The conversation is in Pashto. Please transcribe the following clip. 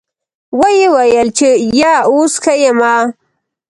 ويې ويل چې يه اوس ښه يمه.